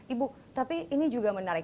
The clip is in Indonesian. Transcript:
ibu tapi ini juga menarik